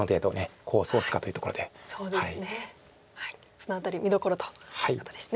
その辺り見どころということですね。